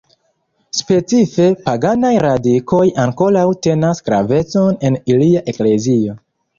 Specife, paganaj radikoj ankoraŭ tenas gravecon en ilia eklezio.